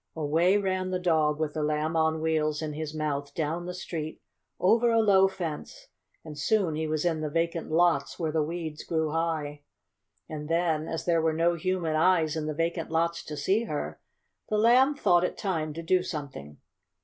Away ran the dog with the Lamb on Wheels in his mouth down the street, over a low fence, and soon he was in the vacant lots where the weeds grew high. And then, as there were no human eyes in the vacant lots to see her, the Lamb thought it time to do something.